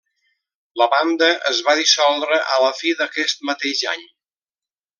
La banda es va dissoldre a la fi d'aquest mateix any.